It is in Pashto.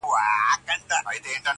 ته به اورې شرنګا شرنګ له هره لوري -